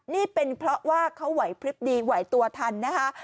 นี่เป็นเพราะว่าเขาไหวพลิบดีไหวตัวทันนะคะ